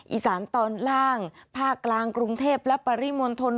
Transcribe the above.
อีสานตอนล่างภาคกลางกรุงเทพและปริมณฑล